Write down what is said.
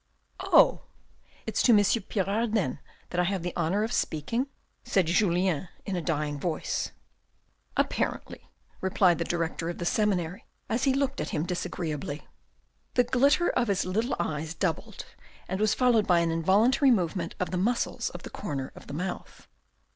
" Oh. It's to M. Pirard then that I have the honour of speaking ?" said Julien in a dying voice. 12 178 THE RED AND THE BLACK "Apparently," replied the director of the seminary, as he looked at him disagreeably. The glitter of his little eyes doubled and was followed by an involuntary movement of the muscles of the corner of the mouth.